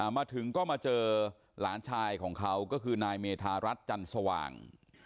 มาถึงก็มาเจอหลานชายของเขาก็คือนายเมธารัฐจันสว่าง